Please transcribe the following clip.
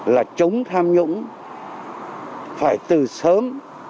là chống tham nhũng phải từ sớm